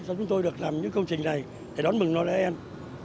cho chúng tôi được làm những công trình này để đón mừng đoàn giáng sinh